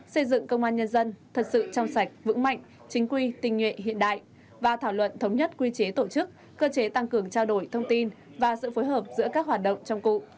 xây dựng công an nhân dân thật sự trong sạch vững mạnh chính quy tình nguyện hiện đại và thảo luận thống nhất quy chế tổ chức cơ chế tăng cường trao đổi thông tin và sự phối hợp giữa các hoạt động trong cụ